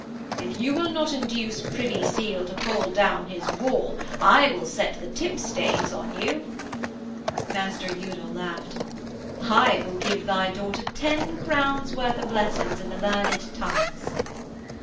'If you will not induce Privy Seal to pull down his wall I will set the tipstaves on you.' Master Udal laughed. 'I will give thy daughter ten crowns' worth of lessons in the learned tongues.'